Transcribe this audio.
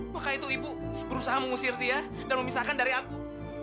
maka itu ibu berusaha mengusir dia dan memisahkan dari aku